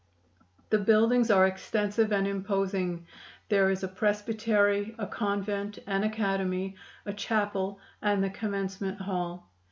The buildings are extensive and imposing. There is a presbytery, a convent and academy, a chapel and the commencement hall.